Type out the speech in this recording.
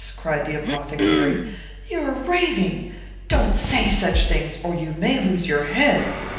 cried the apothecary, "you are out of your mind. Don't say such things, or you will lose your head."